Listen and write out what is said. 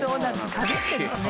カビってですね